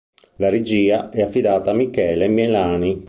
La regia è affidata a Michele Melani.